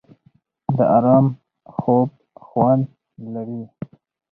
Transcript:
د ارام خوب خوند لري.